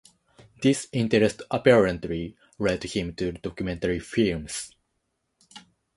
This interest apparently led him to documentary films.